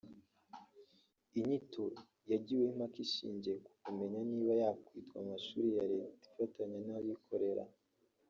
Inyito yagiweho impaka ishingiye ku kumenya niba yakwitwa amashuri Leta ifatanya n’abikorera